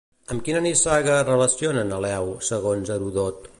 Amb quina nissaga es relaciona Neleu, segons Herodot?